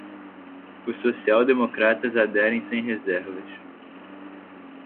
os social-democratas aderem sem reservas